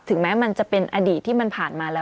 แม้มันจะเป็นอดีตที่มันผ่านมาแล้ว